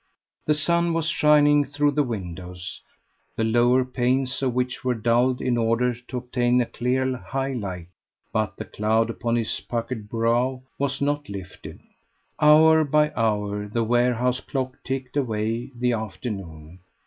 The sun was shining through the windows, the lower panes of which were dulled in order to obtain a clear high light; but the cloud upon his puckered brow was not lifted. Hour by hour the warehouse clock ticked away the afternoon.